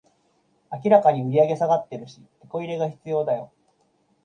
明らかに売上下がってるし、テコ入れが必要だよ